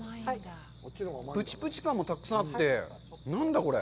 プチプチ感もたくさんあって、何だ、これ。